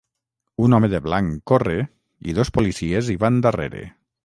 Un home de blanc corre i dos policies hi van darrere